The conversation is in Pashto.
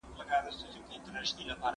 زه نان نه خورم،